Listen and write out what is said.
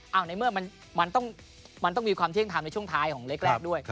เอาในเมื่อมันต้องมีความเที่ยงทำในช่วงท้ายของเล็กแรกด้วย